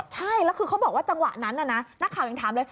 ใช่แล้วคือเขาบอกว่าจังหวะนั้นนักข่าวยังถามเลย